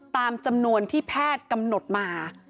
ตามจำนวนที่แพทย์กำหนดมา